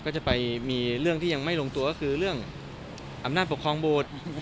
ก็จะไปมีเรื่องที่ยังไม่ลงตัวก็คือเรื่องอำนาจปกครองโบสถ์